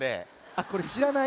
あっこれしらない？